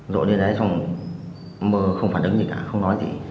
dội lên đấy xong mơ không phản ứng gì cả không nói gì